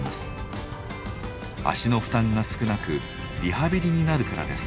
脚の負担が少なくリハビリになるからです。